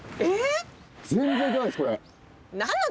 えっ！